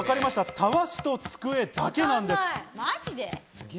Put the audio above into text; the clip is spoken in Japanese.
タワシと机だけなんです。